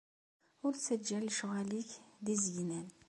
Ur ttajja lecɣal-nnek d izegnen.